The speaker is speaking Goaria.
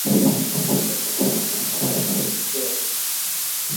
مني سيليٽ ڇي۔